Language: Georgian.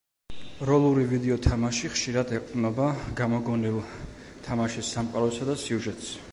როლური ვიდეო თამაში, ხშირად ეყრდნობა გამოგონილ თამაშის სამყაროსა და სიუჟეტს.